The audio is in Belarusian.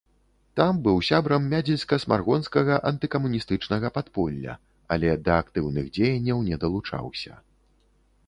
Там быў сябрам мядзельска-смаргонскага антыкамуністычнага падполля, але да актыўных дзеянняў не далучаўся.